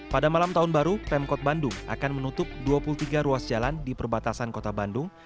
pada malam tahun baru pemkot bandung akan menutup dua puluh tiga ruas jalan di perbatasan kota bandung